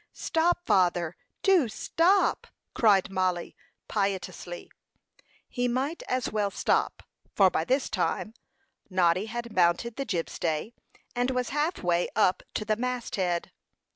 "Stop, father, do stop!" cried Mollie, piteously. He might as well stop, for by this time Noddy had mounted the jib stay, and was halfway up to the mast head.